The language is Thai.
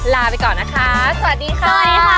ลาไปก่อนนะคะสวัสดีค่ะ